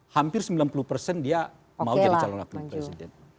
hampir sembilan puluh persen dia mau jadi calon wakil presiden